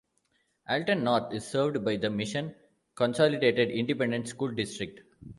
Alton North is served by the Mission Consolidated Independent School District.